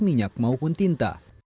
minyak maupun tinta